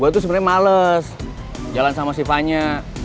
gue tuh sebenernya males jalan sama si fanya